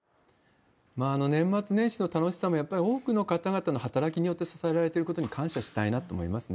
年末年始の楽しさもやっぱり多くの方々の働きによって支えられてることに感謝したいなと思いますね。